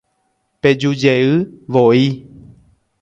Pejujey voi